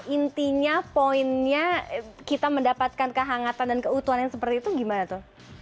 intinya poinnya kita mendapatkan kehangatan dan keutuhan yang seperti itu gimana tuh